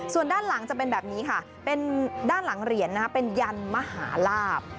ส่วนด้านหลังจะเป็นแบบนี้ค่ะเป็นด้านหลังเหรียญเป็นยันมหาลาบ